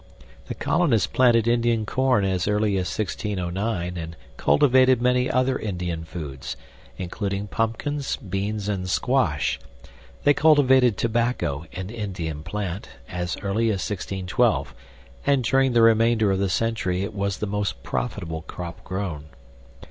The colonists planted Indian corn as early as 1609, and cultivated many other Indian foods, including pumpkins, beans, and squash. They cultivated tobacco (an Indian plant) as early as 1612, and during the remainder of the century it was the most profitable crop grown.